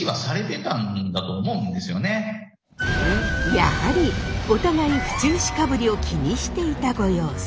やはりお互い府中市かぶりを気にしていたご様子。